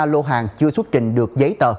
lô hàng chưa xuất trình được giấy tờ